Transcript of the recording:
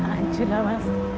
ancur lah mas